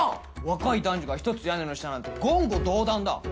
若い男女が一つ屋根の下なんて言語道断だ！